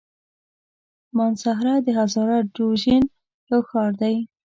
مانسهره د هزاره ډويژن يو ښار دی.